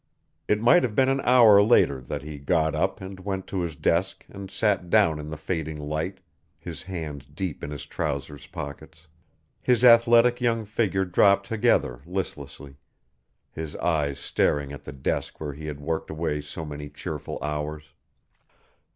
It might have been an hour later that he got up and went to his desk and sat down in the fading light, his hands deep in his trousers pockets; his athletic young figure dropped together listlessly; his eyes staring at the desk where had worked away so many cheerful hours.